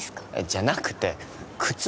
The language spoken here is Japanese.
じゃなくて靴